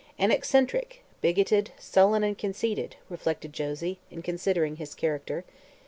"An eccentric; bigoted, sullen and conceited," reflected Josie, in considering his character.